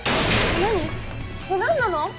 何なの！？